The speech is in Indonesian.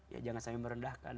ya jangan sampai merendahkan